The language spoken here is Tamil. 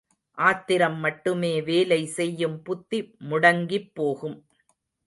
ஆத்திரம் மட்டுமே வேலை செய்யும் புத்தி முடங்கிப் போகும்.